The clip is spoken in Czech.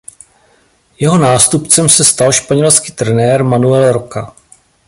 Jeho nástupcem se stal španělský trenér Manuel Roca.